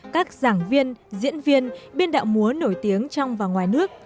các giảng viên diễn viên biên đạo múa nổi tiếng trong và ngoài nước